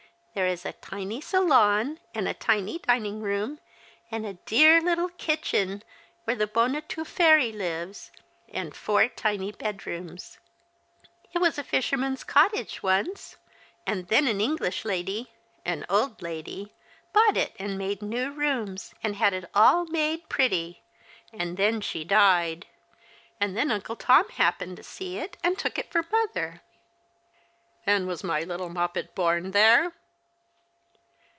There is a tiny salon, and a tiny dining room, and a dear little kitchen, where the bonne a tout /aire lives, and four tiny bedrooms. It was a fisherman's cottage once, and then an English lady — an old lady — bought it, and made new rooms, and had it all made pretty, and then she 150 The Cheistmas Hireijngs. died ; and then Uncle Tom happened to see it, and took it for mother." *' And was my little Moppet born there